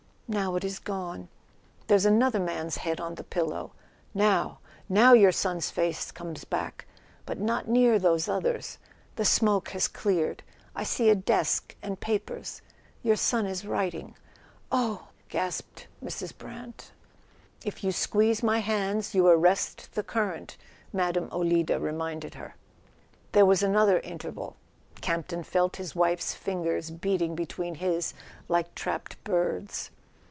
Now it is gone—there's another man's head on the pillow. .. Now, now your son's face comes back; but not near those others. The smoke has cleared... I see a desk and papers; your son is writ¬ ing. . "Oh," gasped Mrs. Brant. "If you squeeze my hands you arrest the current," Mme. Olida reminded her. There was another interval; Campton felt his wife's fingers beating between his like trapped birds.